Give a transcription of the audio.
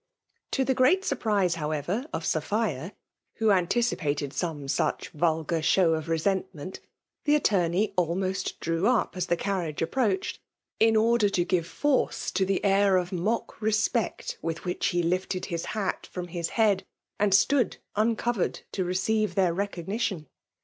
Tb the great snrprise, however, of Sophia, who anticipated some such vulgar show (Presentment, the at * tomey almost drew up as the carriage ap» preached, in order ta give force to the air of mock respect with which he lifted his hat from his head, and stood uncovered to receive their recognition.